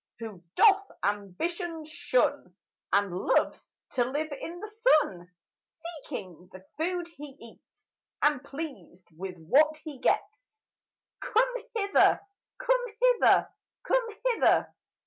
Who doth ambition shun, And loves to live in the sun, Seeking the food he eats, And pleas'd with what he gets, Come hither, come hither, come hither!